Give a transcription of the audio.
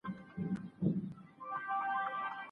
راتلونکی د عمل کونکو کسانو دی.